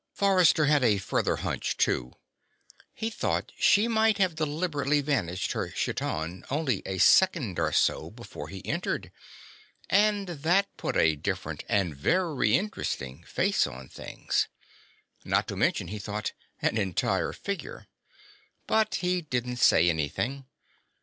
Forrester had a further hunch, too. He thought she might have deliberately vanished her chiton only a second or so before he entered. And that put a different and a very interesting face on things. Not to mention, he thought, an entire figure. But he didn't say anything.